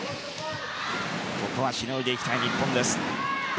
ここはしのいでいきたい日本です。